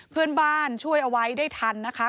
เพื่อนบ้านช่วยเอาไว้ได้ทันนะคะ